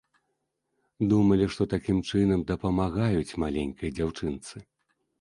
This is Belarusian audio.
Думалі, што такім чынам дапамагаюць маленькай дзяўчынцы.